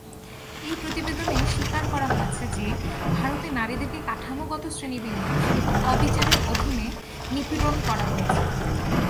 এই প্রতিবেদনে স্বীকার করা হয়েছে যে ভারতে নারীদেরকে কাঠামোগত শ্রেণীবিন্যাস এবং অবিচারের অধীনে নিপীড়ন করা হয়েছে।